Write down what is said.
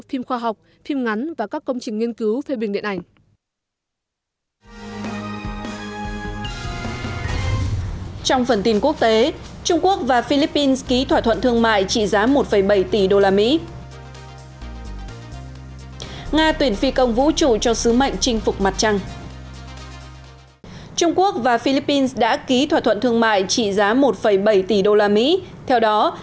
theo đó các công ty trung quốc đã ký thỏa thuận thương mại trị giá một bảy tỷ usd